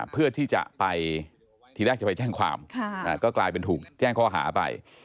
เพื่อที่จะไปแจ้งความก็กลายเป็นถูกแจ้งข้อหาไป